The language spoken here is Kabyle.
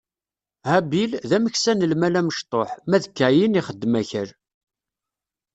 Habil, d ameksa n lmal amecṭuḥ, ma d Kayin ixeddem akal.